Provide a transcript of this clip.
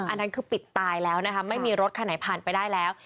อันนั้นคือปิดตายแล้วนะคะไม่มีรถคันไหนผ่านไปได้แล้ว